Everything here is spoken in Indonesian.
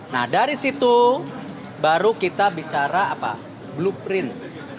nah dari situ baru kita bicara blueprint